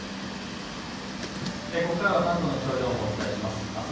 ここからは関東の気象情報をお伝えします。